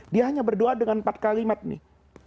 dia hanya berdoa dengan empat kalimat nih